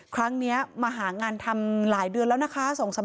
ครั้งนี้มาหางานทำหลายเดือนแล้วนะคะ